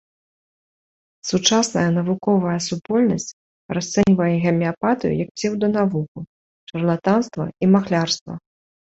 Сучасная навуковая супольнасць расцэньвае гамеапатыю як псеўданавуку, шарлатанства і махлярства.